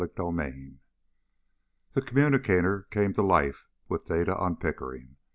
CHAPTER 4 The communicator came to life with data on Pickering.